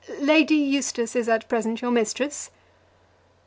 "Lady Eustace is at present your mistress?"